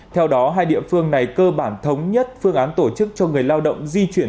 theo đó hai địa phương này cơ bản thống nhất phương án tổ chức cho người lao động di chuyển